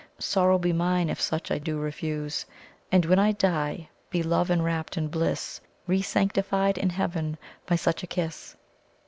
Sorrow be mine if such I do refuse! And when I die, be Love enrapt in bliss Re sanctified in heaven by such a kiss!"